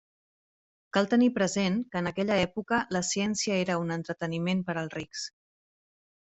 Cal tenir present que en aquella època la ciència era un entreteniment per als rics.